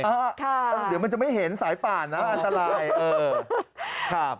เดี๋ยวมันจะไม่เห็นสายป่านนะอันตรายเออครับ